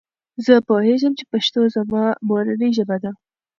زه پوهیږم چې پښتو زما مورنۍ ژبه ده.